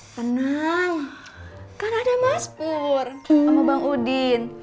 tenang kan ada mas pur sama bang udin